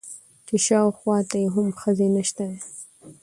چې شاوخوا ته يې هم ښځه نشته ده.